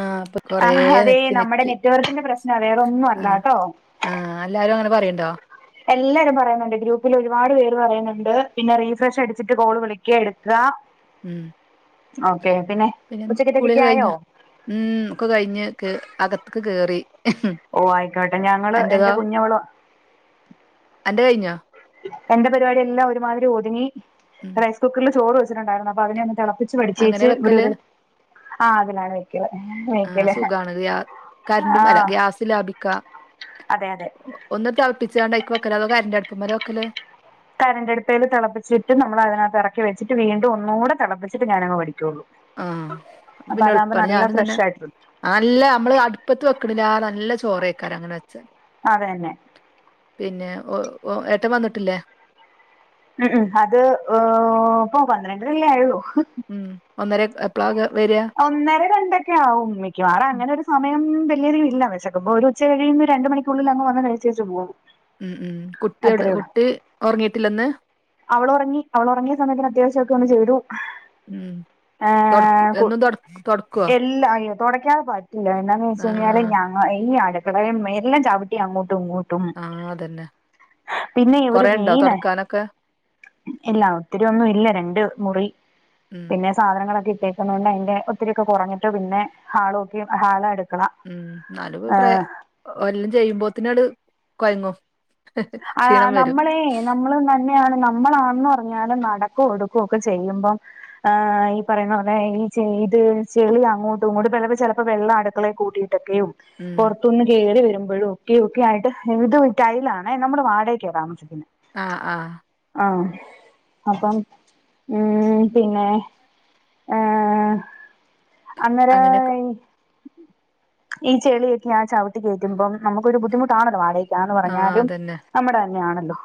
ആഹ് അ ആഹ. അതെ നമ്മുടെ നെറ്റ്‌വർക്കിന്റെ പ്രശ്നമാണ് വേറെയൊന്നും അല്ലട്ടോ. ആഹ എല്ലാരും അങ്ങനെ പറയ്ണ്ടോ? എല്ലാരും പറയുന്നുണ്ട് ഗ്രൂപ്പിൽ ഒരുപാട് പേര് പറയുന്നുണ്ട് പിന്നെ റീഫ്രഷ് അടിച്ചിട്ട് കോള് വിളിക്കുക. എടുക്കുക. ഉം ഓക്കെ. പിന്നെ ഉച്ചക്കതെക്കൊക്കെ കുളിയൊക്കെ ആയോ കഴിഞ്ഞോ ഉം ഒക്കെ കഴിഞ്ഞ് അകത്ത്ക്ക് കേറി. മ് ഹ് ഓ ആയിക്കോട്ടെ ഞങ്ങള് എന്റെ കുഞ്ഞവ അന്റെ കഴിഞ്ഞോ എന്റെ പരിപാടി എല്ലാം ഒരുമാതിരി ഒതുങ്ങി ഉം റൈസ് കുക്കറിൽ ചോറ് വെച്ചിട്ടുണ്ടായിരുന്നു അപ്പൊ അതിനെ അങ്ങനെ തിളപ്പി വെക്കല് [unintelligible] ആ അതിലാണ് വ ആഹ് ബേക്ക്ല് സുഖാണ് ഗ്യാ കരന്റും അല്ല ആഹ് ഗ്യാസ് ലാഭിക്കാ അതെ അതെ. ഒന്ന് തളിപ്പിച്ചുകാണ്ട് അയ്ക്ക് വക്കല അതോ കരൻ്റ് അടുപ്പ് മ്മലോ വക്കല് കരന്റെടുപ്പേൽ തിളപ്പിച്ചിട്ട് നമ്മള് അതിനകത്ത് ഇറക്കി വച്ചിട്ട് വീണ്ടുഒന്നൂടെ തിളപ്പിച്ചിട്ട് ഞാനങ് പഠിക്കുള്ളൂ. ആഹ് അപ്പൊ അതാകുമ്പോ നല്ല ഫ്രഷായിട്ട അല്ല നമ്മള് അടുപ്പത്ത് വെക്കണിലേറെ നല്ല ചോറയ്ക്കാരം അങ്ങനെ വെച്ചാല്. അതന്നെ പിന്നെ ഓ ഓ ഏട്ടൻ വന്നിട്ടില്ലേ? ഉം ഉം അത് ഇപ്പൊ പന്ത്രണ്ടരല്ലേ ആയാള്ളു. ഉം ഒന്നര എപ്പളാകെ വര? ഒന്നര രണ്ടരക്കെ ആവും മിക്കുംവാറ അങ്ങനെ ഒരു സമയം വലിയധിക ഇല്ല വിശക്കുമ്പോ വരും. ഉച്ച കഴിയുമ്പോ ഒരു രണ്ട് മണിക്കുള്ളിൽ അങ് വന്ന് കഴിച്ചേച്ച് പോകും. ഉം ഉം കുട്ടിയടെ അത്രേ കുട്ടി ഉറങ്ങിട്ടില്ലെന്ന്? അവൾ ഉറങ്ങിഅവൾ ഉറങ്ങിയ സമയത്തിന് അത്യാവശ്യംക്കെ ഒന്ന് ചെയ്തു. ഉം തുടക്കും ഏഹ് കു എന്നും തൊട തുടക്കും. എല്ലാ അയ്യേ. തുടക്കാെതെ പറ്റില്ല എന്നാന്ന് ആ വെച്ചഴിഞ്ഞാല് ഞാ ആ ഈ അടക്കളയും എല്ലാം ചവിട്ടി അങ്ങോട്ടും ഇങ്ങോ ആ അതന്നെ. പിന്നെ ഒരു കൊറേ ഉണ്ടോ മെയിന തൊടക്കാനൊക്കെ ഇല്ല ഒത്തിരി ഒന്നും ഇല്ല രണ്ട് മുറി ഉം പിന്നെ സാധനങ്ങളൊക്കെ ഇട്ടേക്കുന്നത് കൊണ്ട് അയ്ന്റെ ഒത്തിരിക്കെ കുറഞ്ഞിട്ട് പിന്നെ ഹാളക്കി ഹാളടു ഉം എന്നാലും പ്രായ എല്ലാം ചെയ്യുമ്പോത്തിനട് കൊയങ്ങും. ആ ക്ഷീണം വരും നമ്മളെ നമ്മൾ തന്നെയാണ് നമ്മളാന്ന് പറഞ്ഞാലും നടക്ക ഒടുക്കു ഒക്കെ ചെയ്യുമ്പം. ഈ പറയുന്ന പോലെ ഈ ചയ്ത് ചെളി അങ്ങോട്ടും ഇങ്ങോട്ട് വള്ള ചിലപ്പോ വെള്ളം അടു മക്കളെ കൂട്ടിയിട്ടൊക്കെയും ഉം പുറത്തുന്ന് കേറി വരുമ്പോഴും ഒക്കെയഒക്കെ ആയിട്ട് [unintelligible] ടൈയിലാണ്. ഏ.. നമ്മള് വാടകക്കാ താമസിക്കുന്നത്. ആ ആഹ്. ആഹ അപ്പം മ് പിന്നെ അന്നേര അങ്ങനെയൊക്കെ ഈ ചെളിയൊക്കെ ആ ചവിട്ടി കയറ്റുമ്പോം നമുക്കൊരു ബുദ്ധിമുട്ടാണല്ലോ വാടക ന്ന് ആ പറഞ്ഞാലും അതന്നെ നമ്മുടെ തന്നെയാണല്ലോ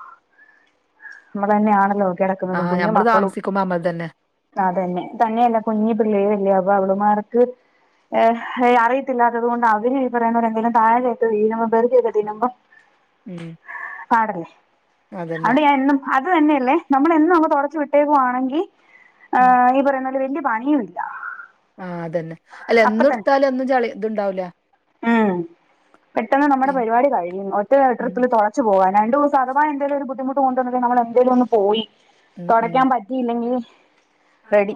മ്മടെ തന്നെയാണല്ലോ. ആ കിടക്കുന്നതും കുഞ്ഞു ഞമ്മള് മക്കളും താമസിക്കുമ്പോ നമ്മൾ തന്നെ അതന്നെ തന്നെയല്ല കുഞ്ഞി പിള്ളേരെല്ലേ അപ്പൊ അവളമാർക്ക് ഹേ അറിയത്തില്ലാത്തതത് കൊണ്ട് അവര് ഈ പറയുന്നവരെന്തങ്കിലും താഴെയാ വിയുമ്പോ പൊറുക്കി ഒക്കെ തിന്നുമ്പോ മ് പാടല്ലേ അവടെ ഞാൻ എന്നും അത് തന്നെയല്ലേ നമ്മളും അങ്ങ് തുടച്ചു വിട്ടേക്കുവാണെങ്കി ആ ഉം ഈ പറയുന്ന വല്യ പണി ഇല്ല. ആഹ് അതന്നെ അല്ല എന്നും ഇടുത്താല എന്ന്നും ചളി ഇതുണ്ടാവൂല. ഉമ് പെട്ടെന്ന് നമ്മുടെ പിൻ പരിപാടി കഴിയും ഒറ്റ ഉം ട്രിപ്പില് തുള പോവാൻ രണ്ട ദിവസം അഥവാ എന്തേലും ഒരു ബുദ്ധിമുട്ട്ണ്ടെങ്ക നമ്മ എന്തേലും ഒന്ന് പോയി ഉം ഉം തുടക്കൻ പ റ്റില്ലെങ്കിൽ റെഡി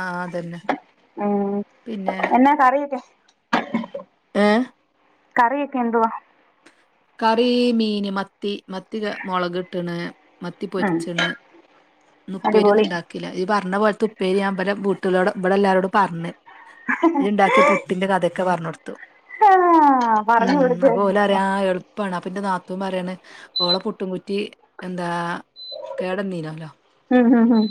ആ അതന്നെ ഉമ് പിന്നെ എന്നാ കറിയക്കെ? ഏഹ് കറിയൊക്കെ എന്തുവാ? കറി മീൻ മത്തി മ മത്തിക മുളക് ഇട്ടണ് മത്തി ഉം പൊരിച്ചണ് അടിപൊളി ന്നുപ്പേരിന്നോണ്ടാ ക്കില്ല ഇയ്യ് പറഞ്ഞ പോലെതെ ഉപ്പേരി ഞാന് ഇബലെ ബട്ടുകളോട് ഇവിടെ എല്ലാരോട പറഞ് ഇത് ഉണ്ടാക്കിയ പുട്ടിന്റെ കഥയൊക്കെ പറഞ്ഞൊടു ആ പറഞ്ഞു മ് കൊടുക്ക് അപ്പൊ ഓലറിയ എളു പ്പാണ് അപ്പ ന്റെ നാത്തുന് പറയാണ് ഓളെ പുട്ടും കുറ്റി എന്താ കേടന്നിനല്ലോ. ഹം ഹം ഹം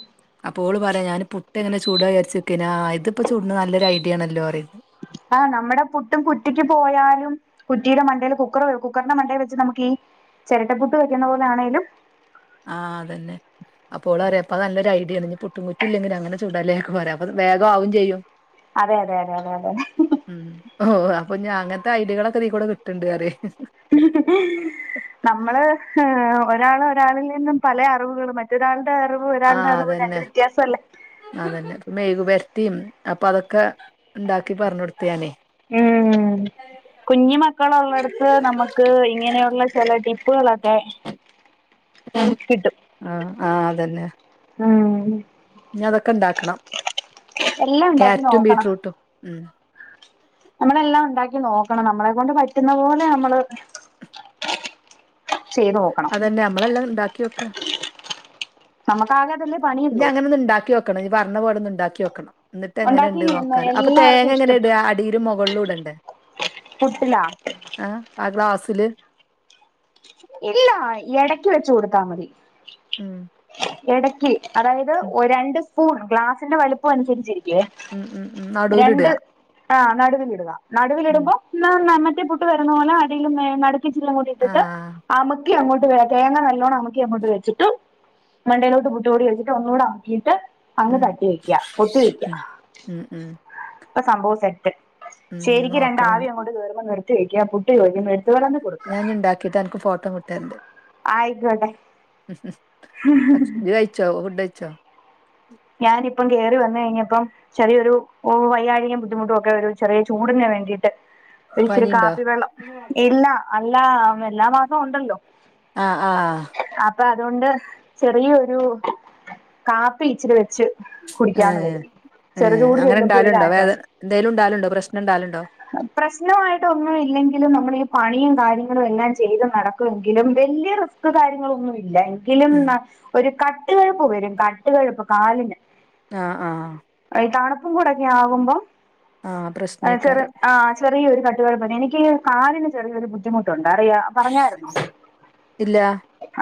അപ്പോള് പറയാ ഞാന് പുട്ടങ്ങെ ചൂട വിചാരിച്ചെക്കന ആ ഇതിപ്പോ ചൂടന്ന് നല്ലൊരു ഐഡിയ ആണല്ലോറയു ആഹ് നമ്മുടെ പുട്ടും കുറ്റിക്ക് പോയാലും കുറ്റിയുടെ മണ്ടയിൽ കുക്കർ കുക്കറിന്റെ മണ്ടയിൽ വെച്ച് നമുക്ക് ഈ ചിരട്ടപ്പുട്ട് വെക്കുന്ന പോലൊണെലും ആഹ് അതെന്നെ അപ്പോ ഓള് പറിയാ അപ്പം നല്ലൊരു ഐഡിയ ആണ് ഇനി പുട്ടും കുറ്റി ഇല്ലെങ്കും അങ്ങനെ ചൂടാലേ ഒക്കെ പറയാ അപ്പം വേഗം ആവും ചെയ്യും അതെ അതെ അതെ അതെ അതെ ഉം ഓ അപ്പൊ ഇഞ്ഞ് അങ്ങനത്തെ ഐഡിയകളൊക്കെ ഇതേകൂടി കിട്ട്ണ്ട് നമ്മള് ഒരാൾ ഒരാളിൽ നിന്നും പല അറിവുകളും മറ്റ രണ്ട് അറിവ് ആ രണ്ട് അറിവ് രണ്ട് അതന്നെ വ്യത്യാസം അല്ലേ അതന്നെ ഇപ്പ മെഴുകു പുരട്ടിയും അപ്പൊ അതൊക്കെ ഉണ്ടാക്കി പറഞ് കൊടുത്തു ഞാന് ഉം കുഞ്ഞു മക്കള ഉള്ളടത്ത് നമുക്ക് ഇങ്ങനെയുള്ള ചെല ടിപ്പുകളൊക്കെ കിട്ടും ആഹ് ആ അതെന്നെ ഉം ഞ്ഞി അതൊക്കെ ഇണ്ടാക്കണം എല്ലാം ഉണ്ടാക്കി ക്യാരറ്റും നോക്കണം ബീടറൂട്ടും ഉം നമ്മളെല്ലാം ഉണ്ടാക്കി നോക്കണം നമ്മളെ കൊണ്ട് പറ്റുന്ന പോലെ നമ്മള് ചെയ്തോ അതന്നെ നമ്മളെല്ലാം ഇണ്ടാക്കി നോക്കാ നമുക്കാകാതെല്ലെ ഇഞ് അങ്ങന ഒന്ന് ഉണ്ടാക്കി നോക്കണം ഇജ്ജ് പറഞ പോലെ ഒന്ന് ഉണ്ടാക്കി നോക്കണം എന്നിട്ട് ഉണ്ടാക്കി എങ്ങനെയുണ്ട് നോക്കാല് അപ്പൊ എല്ലാവർക്കും തേങ്ങ എങ്ങനെ ഇട അടിയിലും മുകളിലും ഇടണ്ടേ പുട്ടിലോ ആഹ് ആ ഗ്ലാസ്സില് ഇല്ല എടക്ക് വെച്ച് കൊടുത്താ മതി ഉം ഇടയ്ക്ക് അതായത് ഉം രണ്ട് സ്പൂൺ ഗ്ലാസിന്റെ വലുപ്പം അനുസരിച്ച് ലെ ഉം ഉം ഉം നടുവില് രണ്ട് ഇടുക ആഹ് നടുവിലിടുക ഉം നടുവിലിടുമ്പോ മറ്റേ പുട്ട് വരുന്ന പോലെ അടിലും നടു ചില്ലും കൂടി ആ ഇട്ടിട്ട് അമ്മക്കി അങ്ങോട്ട് തേങ്ങ നല്ലോണ്ണം അമക്കി അങ്ങോട്ട് വെച്ചിട്ട് മണ്ടേയിലോട്ട് പുട്ട പൊടി വെച്ചിട്ട് ഒന്നൂ ആക്കയിട്ട് അങ്ങ് ഉം തട്ടി വെക്ക പൊത്തി വെക്ക ഉം ഉം ഉം അപ്പൊ സംഭവം സെറ്റ് ഉം ശരിക്ക് രണ്ട് നോക്കണം ആവി ഇനി അങ്ങോട്ട് കയറുമമ്പോൾ നിർത്തി വെക്ക പുട്ട് ചോദിക്കുമ്പോ എടുത്ത് വിളമ്പി കൊടുക ക്കീട്ട് അനക് ഫോട്ടം വിട്ട് തരണ്ട് ആയിക്കോട്ടെ ജ്ജ് കഴിച്ചോ ഫുഡ്‌ കഴിച്ചോ ഞാനിപ്പം കേറി വന്നഴിഞ്ഞപ്പം ചെറിയൊരു വൈയായിക ബുദ്ധിമുട്ടും ഒക്കെ ഒരു ചെറിയ ചൂടിന് വേണ്ടിയിട്ട് ഇച്ചിരി പനിയുണ്ടോ കാപ്പിവെള്ളം ഇല്ല അല്ല എല്ലാ മാസവും ഉണ്ടല്ലോ ആഹ് ആഹ് അപ്പൊ അതുകൊണ്ട് ചെറിയൊരു കാപ്പി ഇച്ചില് വെച്ച് കുടിക്കാന്ന് ഏഹ് കരുതി ഏഹ് ചെറുചൂട് അങ്ങനെ ചെല്ലുമ്പോ ഒരു ഉണ്ടാവലുണ്ടോ വേദ ആശ്വാസം എന്തേലും ഉണ്ടാലും ഉണ്ടോ പ്രശ്നം ഉണ്ടാവല് ഉണ്ടോ പ്രശ്നമായിട്ട് ഒന്നും ഇല്ലെങ്കിലും നമ്മൾ ഈ പണിയും കാര്യങ്ങളും എല്ലാം ചെയ്ത് നടക്കുമെങ്കിലും വല്യ കാര്യങ്ങളൊന്നും ഇല്ല എങ്കിലും ഒരു കട്ടുകഴുപ്പ് വരും കട്ടുകഴുപ്പ് കാലിന് ആഹ് ആഹ് ഈ തണുപ്പും കൂടെ ഒക്കെ ആകുമ്പം ആ ചെറു പ്രശ്നേക്കാരം ആഹ് ചെറിയൊരു [unintelligible] എനിക്ക് കാലിന് ചെറിയൊരു ബുദ്ധിമുട്ടുണ്ട് ഉണ്ടായിരുന്നു അറിയാ പറഞ്ഞായിരുന്നു ഇല്ലാ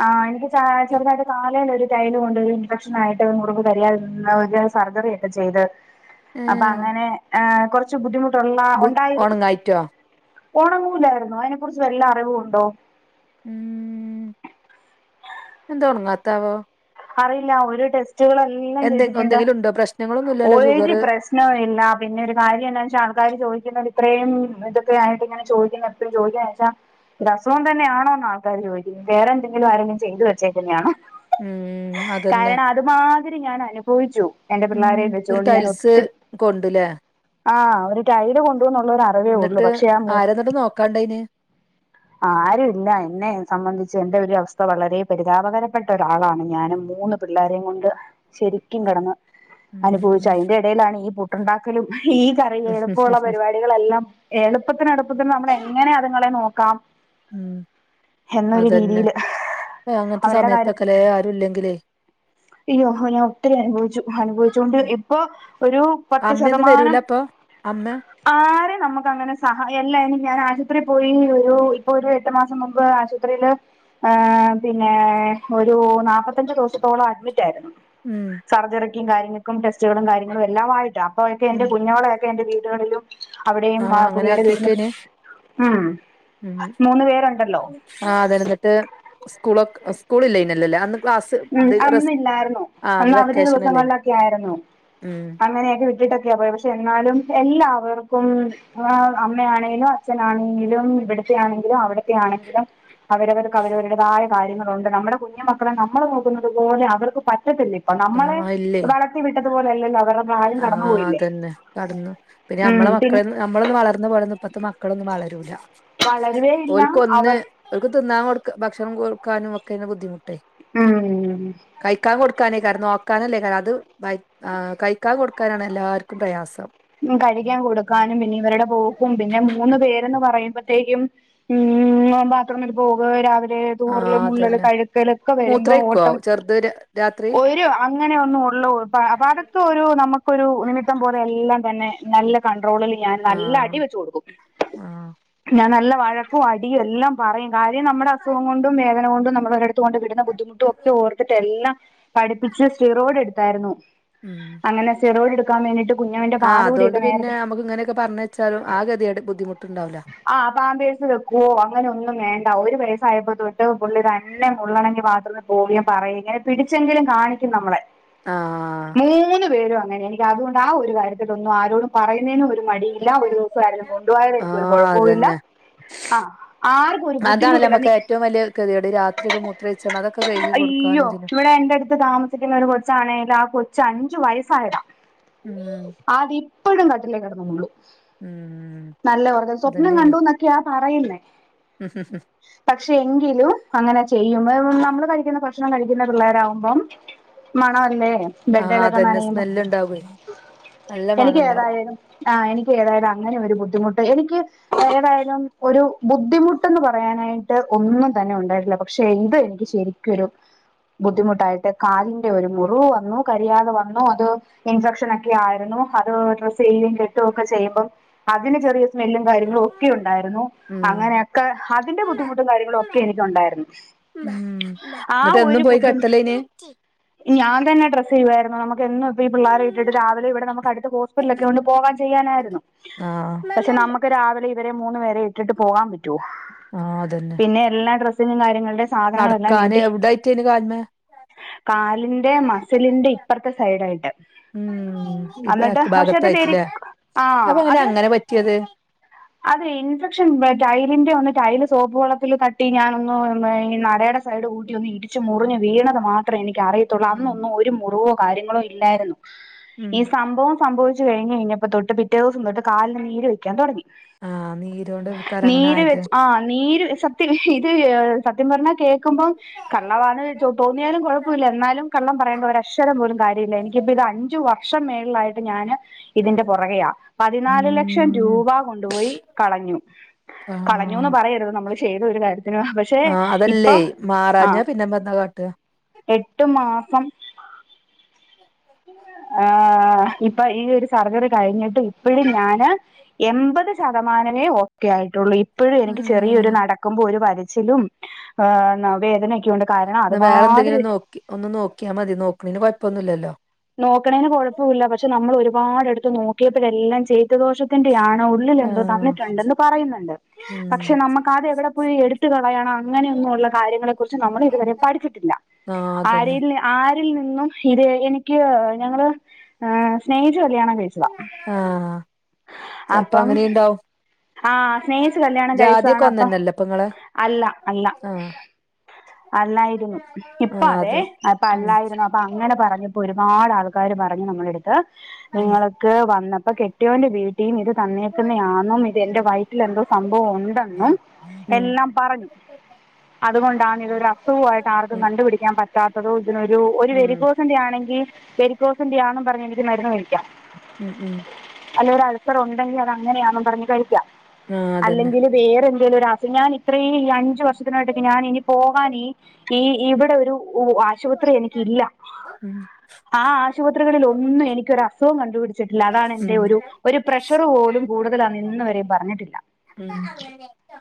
ആ് എനിക്ക് ചെറുതായിട്ട് കാലിന് ഒരു ടൈൽ കൊണ്ട് ഒരു ഇൻഫെക്ഷൻ ആയിട്ട് മുറിവ് കരിയാതിരുന്ന് ഒരു സർജറി യെ ചെയത് ഏ അപ്പൊ അങ്ങനെ ഏഹ് കെറ കുറച്ചു ബുദ്ധിമുട്ടുള്ള ബു ഉണ്ടായിരുന്നു ഉണങ്ങായിറ്റോ ഓണങ്ങുല്ലായിരുന്നു അതിനെക്കുറിച്ച് വല്ല അറിവുണ്ടോ? ഉം എന്ത ഉറങ്ങാത്താവോ? അറിയില്ല ഒരു ടെസ്റ്റുകളെല്ലാം എന്തെ ചെയ്തിട്ടുണ്ട് എന്തെങ്കിലും ഉണ്ടോ പ്രശ്നങ്ങളൊന്നും ഇല്ലല്ലോ ഒരു ഷുഗർ പ്രശ്ന്നുല്യാ നവും ഇല്ലാ, പിന്നെ ഒരു കാര്യം എന്നാ വെച്ചാ ആൾക്കാർ ചോയിക്ക്ന്ന്ണ്ട്, ഇത്രയും ഇതക്കെയായിട്ട് ങ്ങനെ ചോയിക്കുന്ന ജോലി ആച്ചാ ഇത അസുഖം തന്നെയാണോന്നാ ആൾക്കാര് ചോയിക്കുന്നെ, വേറെന്തെങ്കിലും ആരെങ്കിലും ചെയ്തു വെച്ചേക്ക്ന്നെയാണോ? ഉം അതന്നെ കാരണം, അത് മാതിരി ഞാനനുഭവിച്ചു. എന്റെ [unintelligible] ഉം പിള്ളാരേം വെച്ചു ഒരു കൊണ്ട് ഞാൻ ടൈൽസ് ഒത്തിരി കൊണ്ടുല്ലേ ആഹ്, ഒരു ടൈല് കൊണ്ടുന്നുള്ള ഒരു അറിവെഉള്ളൂ. പക്ഷെ ആ മു ആരെന്നട്ടും നോക്കാണ്ടേയ്ന്യേ. [inaudible] ആരുല്ല. എന്നെ സംമ്മന്ധിച്ച് എന്റെ ഒരു അവസ്ഥ വളരെ പരിതാപകരപ്പെട്ട ഒരാളാണ്. ഞാനും മൂന്ന് പിള്ളേരെയും കൊണ്ട് ശരിയ്ക്കും കെടന്ന്, ത് അനുഭവിച്ചു. അയിന്റെടേലാണ് ഈ പുട്ടുണ്ടാക്കലും, ഈ കറിയി എളുപ്പോള്ള ഉം പരുവാ ഞങ്ങളെല്ലാം എളുപ്പത്തിന് അടുപ്പത്തിന് നമ്മളെങ്ങനെ അതുങ്ങളെ നോക്കാം ഉം. എന്നൊരു അതെന്നെ, രീതിയിൽ ഏ അങ്ങൻത്തെ അവരുടെ കാര്യത്തിൽ സമയത്തൊക്കെലേ ആരുല്ല്യങ്കില്ലേ [unintelligible] ഞാൻ ഒത്തിരി അനുഭൊവിച്ചു. അനുഭവിച്ചോണ്ട്, ഇപ്പൊ ഒരു പത്ത് അമ്മയൊന്നും വരൂല ശതമാനം അപ്പൊ അമ്മ ആരേം നമ്മക്ക് അങ്ങനെ സഹാ എല്ല ഇനി ഞാൻ ആശുപത്രി പോയി ഒരു ഇപ്പൊ ഒരു എട്ട് മാസം മുമ്പ് ആശു ത്രില്, ഏ പിന്നേ ഒരൂ നാപത്തഞ്ച് ദുവ്സത്തോളം അഡ്മിറ്റായിരുന്നു. ഉം സർജറിക്കും കാര്യങ്ങൾക്കും ടെസ്റ്റുകളും കാര്യങ്ങളും എല്ലാ ആയിട്ടാ അപ്പോഴൊക്കെ ഉം എൻ്റെ കുഞ്ഞോളേയൊക്കെ എന്റെ വീട്ടുക്കാരെല്ലാം അവിടെയും ആ അങ്ങനെ പുള്ളിയുടെ വീടിന്ന് ആക്കിക്കേന് ഉം, ഉം മൂന്ന് പേരുണ്ടല്ലോ. ആ അതന്നെ ന്നിട്ട് സ്കൂളൊക്കെ സ്കൂൾ ഇല്ലയ്ഞ്ഞല്ലല്ലേ അന്ന് ക്ലാസ് ഉം ഇത് റെസ് അന്നില്ലായിരുന്നു ആ അന്ന് അവധി വെക്കേഷൻ അല്ലേനു ദിവസങ്ങളിലൊക്കെയിരുന്നു ഉം അങ്ങനെയൊക്കെ വിട്ടിട്ടൊക്കെയാ പോയെ, പഷെ എന്നാലും എല്ലാവർക്കും ആഹ്, അമ്മയാണെലും അച്ഛനാണെങ്കിലും ഇവിടുത്തെയാണെങ്കിലും അവടെ യാണെങ്കിലും അവരവര്ക്ക് അവരവര്ടേതായ കാര്യങ്ങളൊണ്ട്. നമ്മടെ കുഞ്ഞു മക്കളെ ന [unintelligible] നമ്മള് നോക്കുന്നത് പോലെ അവർക്ക് പറ്റത്തില്ല ഇപ്പം. നമ്മളെ വളർത്തി വിട്ടതു പോലെ അല്ലല്ലോ അ ആഹ്, അതന്നെ. കടന്നോ? പിന്നെ ഉം ഞമ്മളെ പിന്നെ മക്കളെ ന്ന് ഞമ്മളൊന്നും വളർന്ന പോലൊന്നും പ്പത്തെ മക്കളൊന്നും വളരൂലാ. വളരുവേയില്ലാ, അവർ അവല്ക്ക് തിന്നാൻ കൊടുക്കാ ഭക്ഷണം കൊട്ക്കാനും ഒക്കെണ് ബുദ്ധിമുട്ടേയ്. ആ ആഹ് ഉം കയിക്കാൻ കൊട്ക്കാനേയ്ക്കാരം നോക്കാനല്ലേകാരം അത് വയി ആ കയിക്കാൻ കൊട്ക്കാനാണ് എല്ലാര്ക്കും പ്രയാസം. ഉം, കഴിയ്ക്കാൻ കൊടുക്കാനും, പിന്നെ ഇവര്ടെ പോക്കും, പിന്നെ മൂന്ന് പേരെന്ന് പറയുമ്പൊത്തേയ്ക്കും ഉം ബാത്റൂമിൽ പോവുക രാവിലെ തൂറലും ആഹ് മുള്ളലും അതന്നെ കഴ്ക്കലൊക്കെ വരുമ്പം മൂത്രയ്ക്കോ ഓട്ടം, ചെറുത് രാത്രി ഓരോ അങ്ങനെ ഒന്നും ഒള്ള ഒ പ അപാദത്ത് ഒരു നമക്കൊരു നിമിത്തം പോലെ എല്ലാം തന്നെ നല്ല കൺട്രോള്‌ല് ഞാൻ നല്ല ആഹ് അടി വെച്ചു കൊട്ക്കും. ആഹ് ഞാൻ നല്ല വഴക്കു അടിയും എല്ലാം പറയും. കാര്യം നമ്മടെ അസുഖം കൊണ്ടും വേദന കൊണ്ടും നമ്മൾ ഒരെട കൊണ്ട് വിട്ന്ന ബുദ്ധിമുട്ടും ഒക്കെ ഓർത്തിട്ട് എല്ലാം പഠിപ്പിച്ച് സിറോടെട്ത്തായ്ര്ന്നു. ഉം അങ്ങനെ സിറോയ്ട് ട്ക്കാൻ വേണ്ടിട്ട് കുഞ്ഞൻന്റെ ആഹ്, അതോണ്ട് പിന്നെ അമ്മക്ക് ങ്ങനൊക്കെപർഞ്ഞെച്ചാലും ആ കെത്യേട് ബുദ്ധിമുട്ട്ണ്ടാവൂലാ. ആ പാമ്പേഴ്സ് വെക്കുവോ അങ്ങനെ ഒന്നും വേണ്ട. ഒരു വെയസായപ്പോ തൊട്ട് പുള്ളി തന്നെ മുള്ളണെങ്കി ബാത്‌റൂമി പോകില്ല പറയില്ല അത് തിരിച്ചെങ്കിലും കാണിക്കും നമ്മള് ആഹ് മൂന്ന് പേരും അങ്ങന്യെ, എനിയ്ക്കതുകൊണ്ട് ആ ഒരു കാര്യത്തിൽ ഒന്നും ആരോടും പറയുന്നേനും ഒ മടിയില്ല, ഒരു ദുവസം ആരേലും കൊണ്ടു പോയാല് എനിയ്ക്കൊരു ആഹ് കൊഴപ്പവുല്ല. അതന്നെ ആഹ്, ആര്ക്കും ഒരു അതാണല്ലോ ബുദ്ധിമുട്ടില്ല, നമുക്ക് നി ഏറ്റവും വലിയ ഗതികേട് രാത്രിയൊക്കെ മൂത്രൊഴിച്ചാണ് അതൊക്കെ കഴുകി അയ്യോ, കൊടുക്കാനും ഇതിനും വടെ എന്റെട് താമസിക്കുന്ന ഒരു കൊച്ചാണേലും ആ കൊച്ച് അഞ്ചു വയസ്സായത മ് ആദി ഇപ്പഴും കട്ടിലേ കിടന്ന് മുള്ളും ഉം നല്ലവർക്ക് സ്വപ്നം അതന്നെയാണ് കണ്ടുന്നൊക്കെയാ പറയുന്നേ പക്ഷെ എങ്കിലും അങ്ങനെ ചെയ്യുംമം നമ്മള് കഴിക്കുന്ന ഭക്ഷണം കഴിക്കുന്ന പിള്ളേരാവുമ്പം മണ അല്ലേ ആഹ് അതന്നെ സ്മെല്ല് ണ്ടാവേ എനിക്ക് ഏതായാലും ആ എനിക്ക് ഏതായാലും അങ്ങനെ ഒരു ബുദ്ധിമുട്ട് എനിക്ക് ഏതായാലും ഒരു ബുദ്ധിമുട്ട്ന്ന് പറയാനായിട്ട് ഒന്നും തന്നെ ഉണ്ടായിട്ടില്ല പക്ഷെ എന്ത് എനിക്ക് ശെരി [unintelligible] ബുദ്ധിമുട്ടായിട്ട് കാലിന്റെ ഒരു മുറിവ് വന്നു കരിയാതെ വന്നു അത് ഇൻഫെക്ഷനൊക്കെ യാരുണു അത് ഡ്രസ് ചെയ്യേം കെട്ടേ ഒക്കെ ചെയ്യുമ്പം അതിന് ചെറിയ സ്മെല്ലും കാര്യങ്ങളും ഒക്കെ ഉണ്ടായിരുന്നു. ഉം അങ്ങനെയൊക്കെ അതിന്റെ ബുദ്ധിമുട്ടും കാര്യങ്ങളും ഒക്കെ എനക്ക്ണ്ടായിരുന്നു ന്നിട്ട് എന്നും പോയി കെട്ടലേ നീ ഈ ഞാൻ തന്നെ ഡ്രസ് ചെയുവായിരുന്നു നമക്ക് എന്നും ഇപ്പ ഈ പിള്ളേരെ ഇട്ട് രാവിലെ ഇവിടെ നമുക്ക് അടുത്ത ഹോസ്പിറ്റല്ഒക്കെ പോകാൻ ചെയ്യാനായിരുന്നു. ആഹ് പക്ഷെ നമുക്ക് രാവിലെ ഇവർ എന്റെ മൂന്ന് പേരെ ഇട്ടിട്ട് പോകാൻ പറ്റോ ആഹ് അതന്നെ ഇനിയെല്ലാം ഡ്രെസ്സിന്റേം കാര്യങ്ങളുടെ സാധനങ്ങളെല്ലാം നടക്കാന് വീട്ടി എവിടായിട്ടേന് കാല്മേ കാലിന്റെ മസിലിന്റെ ഇപ്പറത്തെ സൈഡായിട്ട് മ് ഈ എന്നിട്ട് ബേക്ക് പക്ഷെ അത് വരി ഭാഗത്തായിട്ട്ലെ ആ അപ്പൊ എങ്ങനെ അങ്ങനെ പറ്റിയത്? അതെ ഇൻഫെക്ഷ്ൻ വെ ടൈലിന്റെ ഒന്ന് ടൈല് സോപ്പ് വള്ളത്തിൽ തട്ടി ഞനോന്ന് [unintelligible] ഈ നടയുടെ സൈഡ് കൂട്ടി ഒന്ന് ഇടിച്ച് മുറിഞ്ഞു വീണത് മാത്രേ എനിക്ക് അറിയ ഉം അന്നൊന്നും ഒരു മുറിവോ കാര്യങ്ങളോ ഇല്ലായിരുന്നു ഉം ഈ സംഭവം സംഭിച്ചു കഴിഞ് കഴിഞ്ഞപ്പോ തൊട്ട് പിറ്റേ ദിവസം തൊട്ട് കാലിന് നീര് വെക്കാതൊടങ്ങി ആഹ് നീരോണ്ട് ആക്കാരം അങ്ങനെ നീര് ആയത് വെച്ച് ആ നീര് വെച്ചാ ഇത് സത്യം പറഞ്ഞാ കേൾക്കുമ്പം കള്ളവാന്ന് തോന്നിയാലും കുഴപ്പമില്ല എന്നാലും കള്ളം പറയേണ്ട ഒരക്ഷരം പോലും കാര്യല്ല എനിക്കിപ്പോ ഇത് അഞ്ച് വ ഷം മേൾളായിട്ട് ഞാന് ഇതിന്റെ പുറകെയാ പതിനാല് ലക്ഷം ഉം രൂപ കൊണ്ടുപോയി കളഞ്ഞു. ആഹ് കളഞ്ഞുന്ന് പറയരുത് നമ്മൾ ശെയ്ത ഒരു കാര്യത്തിന് പക്ഷെ ആ ഇപ്പൊ അതല്ലേ മാറാഞ്ഞ പിന്നെ ഞ്ഞമ്മന്താ കാട്ട എട്ടു മാസം ആ് ഇപ്പൊ ഈ ഒരു സർജറി കഴിഞ്ഞിട്ട് ഇപ്പഴുംഞാന് എൺപത് ശതമാനമേ ഒക്കെ ആയിട്ടുള്ളൂ ഈ ഇപ്പഴും എനിക്ക് ചെറിയൊരു ആഹ് നടക്കുമ്പോ ഒരു വലിച്ചിലും ആ വേദനയൊക്കെണ്ട് കാരണം അത് മാതിരി ക്കി ഒന്ന് നോക്കിയാ മതി നോക്ണന് കുഴപ്പൊന്നുല്ല്യല്ലോ നോക്കണേന് കൊഴപ്പൊല്ല പക്ഷെ നമ്മൾ ഒരുപാട് എടുത്ത് നോക്കിയപ്പോഴെല്ലാം ചെയ്തു ദോഷത്തിന്റെയാണോ ള്ളിലുണ്ട് ആഹ് തന്നിട്ടുണ്ടന്ന് പറയുന്നുണ്ട് പക്ഷെ ഉം നമുക്കത് എവിടെ പോയി എടു ട്ട് കളയണം അങ്ങനെയൊന്നും ഉള്ള കാര്യങ്ങളെ കുറിച്ച് നമ്മൾ ഇതുവരെ പഠിച്ചിട്ടില്ല ആഹ് അതന്നെ ആരല്യ ആരിൽ നിന്നും ഇത് ഏകണിക്യോ ഞങ്ങള് സ്നേഹിച്ചു കല്യാണം കഴി [unintelligible] ചെൽപ്പോ അങ്ങനെയുണ്ടാവും ആഹ് സ്നേഹിച്ചു കല്യാണം കഴിച്ചതാണ് അപ്പം ഒന്നന്നല്ലേ ഇപ്പങ്ങളെ അല്ല അല്ല ആഹ് അല്ലായിരുന്നു ഇപ്പ ആഹ് അതെ അതോ അപ്പ അല്ലായിരുന്നു അപ്പൊ അങ്ങനെ പറഞ്ഞു ഒരുപാട് ആൾക്കാര് പറഞ്ഞു നമ്മളെടുത്ത് നിങ്ങളൊക്കെ വന്നപ്പോ കെട്ടിയോന്റെ വീട്ടീന്ന് ഇത് തന്നേക്ക്‌ന്നെയാണോ ഇത് എന്റെ വൈ ഇതിലെന്തോ സംഭവം ഉണ്ടെന്നും ഉം ഉം എല്ലാം പറഞ്ഞു അതുകൊണ്ടാണ് ഇതൊരു അസുഖയിട്ട് ആർക്കും ഉം കണ്ടുപിടിക്കാൻ പറ്റാത്തതു ഇതിനൊരു ഒരു ഉം വരികോസ് മുട്ടിന്റെ ആണെങ്കി വെരിക്കോസിന്റെ ആന്നും പറഞ്ഞ് എനിക്ക് മരുന്ന് കഴിക്കാം ഉം ഉം ഉം അല്ലൊരാൾ ഇപ്പ അത് ഒണ്ടെങ്കി അത് അങ്ങനെയാന്നും പറഞ്ഞ് കഴിക്കാം ആഹ് അതന്നെ അല്ലെങ്കില് വേറെ എന്തേലും ഒരാക്ക് ഞാൻ ഇത്രയും ഈ അഞ്ചു വർഷത്തിനോട്ടക്ക് ഞാൻ ഇനി പോകാൻ ഈ ഇ ഇവിടൊരു ഉ ആശുപത്രി എനിക്കില്ല ഉം ആ ആശുപത്രികളിൽ ഒന്നും എനിക്കൊരു അസുഖം കണ്ടുപിടിച്ച് വെച്ചിട്ടില്ല അതാണ് ഉം എന്റെ ഉം ഒരു ഒരു പ്രഷറ് പോലും കൂടുതൽ ആന്ന് ഇന്ന് വരെയും പറഞ്ഞിട്ടില്ല ഉം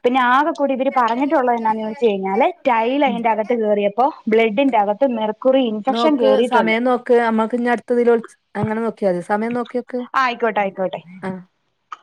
പിന്നെ ആകെ കൂടി ഇവര് പറഞ്ഞിട്ടുള്ളത് എന്നാന്ന് ചോദിച്ചു കഴിഞ്ഞാല് ടൈല് അതിന്റെ അകത്ത് കയറിയപ്പോ ബ്ലഡിന്റെ അകത്ത് മെർക്കുറി ഇൻഫെക്ഷൻ നോക്ക് കയറി സമയം നോക്ക് നമ്മക്ക് ഇനി അടുത്തതിലോട്ട് അങ്ങനെ നോക്കിയാ മതി സമയം നോക്കി വെക്ക് ആയിക്കോട്ടെ ആയിക്കോട്ടെ ആഹ്